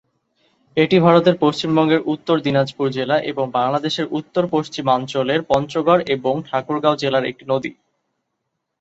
এটি ভারতের পশ্চিমবঙ্গের উত্তর দিনাজপুর জেলা এবং বাংলাদেশের উত্তর-পশ্চিমাঞ্চলের পঞ্চগড় এবং ঠাকুরগাঁও জেলার একটি নদী।